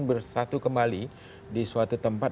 bersatu kembali di suatu tempat